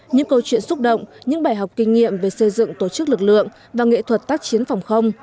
những câu chuyện xúc động những bài học kinh nghiệm về xây dựng tổ chức lực lượng và nghệ thuật tác chiến phòng không